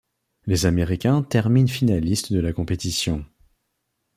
Les Américains terminent finalistes de la compétition.